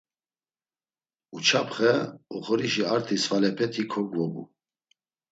Uǩaçxe oxorişi arti svalepeti kogvobu.